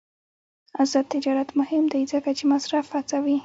آزاد تجارت مهم دی ځکه چې مصرف هڅوي.